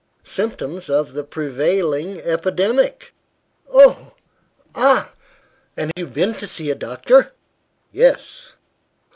"Symptoms of the prevailing epidemic." "Oh! Ah! And you've been to see a doctor?" "Yes."